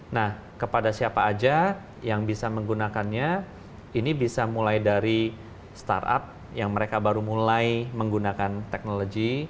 nah kepada siapa aja yang bisa menggunakannya ini bisa mulai dari startup yang mereka baru mulai menggunakan teknologi